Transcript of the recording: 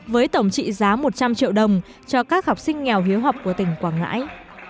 với tổng trị giá một trăm linh triệu đồng cho các học sinh nghèo hiếu học của tỉnh quảng ngãi